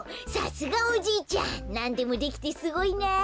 さすがおじいちゃんなんでもできてすごいな。